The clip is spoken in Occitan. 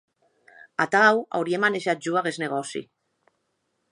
Atau auria manejat jo aguest negòci.